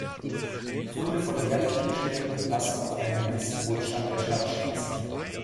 Funde von Wertgegenständen lassen auf einen gewissen Wohlstand der Stadt schließen.